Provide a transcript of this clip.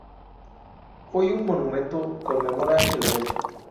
Hoy un monumento conmemora el evento.